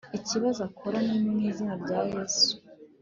ikibazo akora ni mwizina rya yesu